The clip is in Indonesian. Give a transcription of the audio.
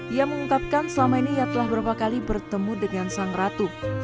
ia mengungkapkan selama ini ia telah beberapa kali bertemu dengan sang ratu